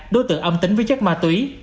đối tượng âm tính với chất ma túy